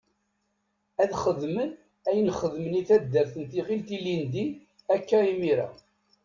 Ad xedmen ayen xedmen i taddart n Tiɣilt ilindi akka imira.